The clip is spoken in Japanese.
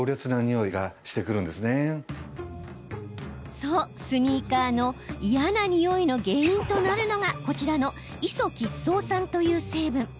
そう、スニーカーの嫌なにおいの原因となるのがこちらのイソ吉草酸という成分。